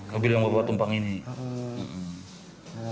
mobil yang bawa tempang ini